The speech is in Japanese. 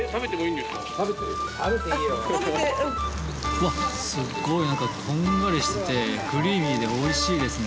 うわっすごいなんかこんがりしててクリーミーでおいしいですね。